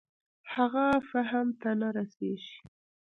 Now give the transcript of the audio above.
هغه فهم ته نه رسېږي.